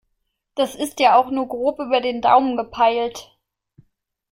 Das ist ja auch nur grob über den Daumen gepeilt.